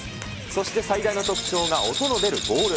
そして最大の特徴が音の出るボール。